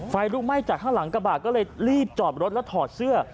ไฟลุกไหม้จากข้างหลังกระบะก็เลยรีบจอดรถแล้วถอดเสื้อ